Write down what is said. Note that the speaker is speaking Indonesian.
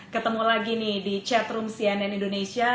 ketemu lagi nih di chatroom cnn indonesia